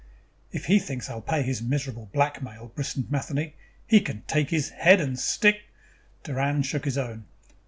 "If he thinks I'll pay his miserable blackmail," bristled Matheny, "he can take his head and stick " Doran shook his own.